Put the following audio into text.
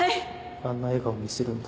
あんな笑顔見せるんだ。